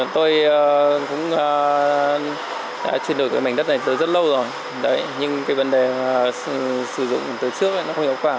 thì sử dụng từ trước là nó không hiệu quả